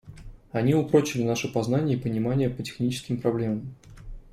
Они упрочили наши познания и понимания по техническим проблемам.